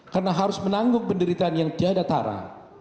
karena harus menanggung penderitaan yang tiada tara